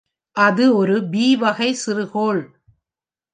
அது ஒரு B-வகைச் சிறுகோள்.